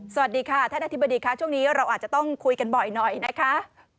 สวัสดีค่ะท่านอธิบดีค่ะช่วงนี้เราอาจจะต้องคุยกันบ่อยหน่อยนะคะ